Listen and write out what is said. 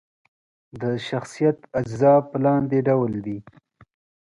د شخصیت اجزا په لاندې ډول دي: